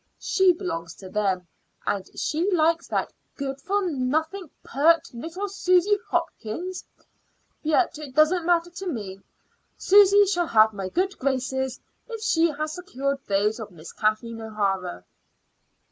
She belongs to them, and she likes that good for nothing, pert little Susy Hopkins! Yet it don't matter to me. Susy shall have my good graces if she has secured those of Miss Kathleen O'Hara."